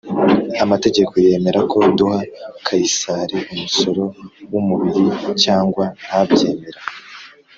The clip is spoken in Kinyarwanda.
Amategeko yemera ko duha kayisari umusoro w umubiri cyangwa ntabyemera